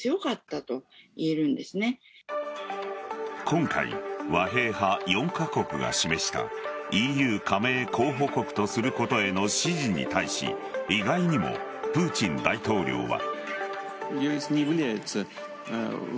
今回、和平派４カ国が示したＥＵ加盟候補国とすることへの支持に対し意外にも、プーチン大統領は。